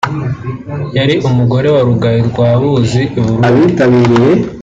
yari umugore wa Rugayi rwa Buzi i Burundi